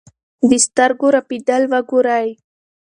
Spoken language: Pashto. د سترګو رپېدل وګورئ.